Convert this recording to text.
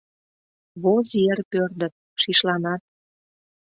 Воз йыр пӧрдыт, шишланат.